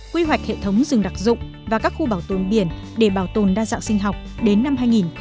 quy hoạch hệ thống rừng đặc dụng và các khu bảo tồn biển để bảo tồn đa dạng sinh học đến năm hai nghìn ba mươi